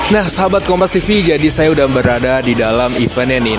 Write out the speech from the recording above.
nah sahabat kompas tv jadi saya udah berada di dalam eventnya nih